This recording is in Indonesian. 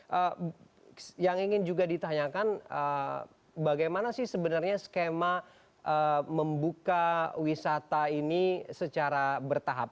pak yang ingin juga ditanyakan bagaimana sih sebenarnya skema membuka wisata ini secara bertahap